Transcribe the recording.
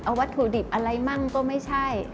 วัตถุดิบอะไรมั่งก็ไม่ใช่